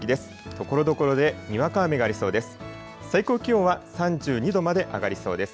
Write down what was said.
ところどころでにわか雨がありそうです。